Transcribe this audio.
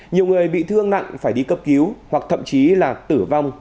nhiều người bị thương nặng phải đi cấp cứu hoặc thậm chí là tử vong